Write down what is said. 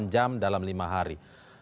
enam jam dalam lima hari